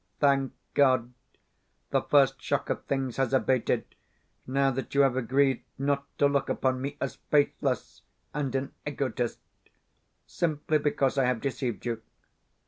Thank God, the first shock of things has abated, now that you have agreed not to look upon me as faithless and an egotist simply because I have deceived you.